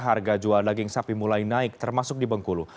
harga jual daging sapi mulai naik termasuk di bengkulu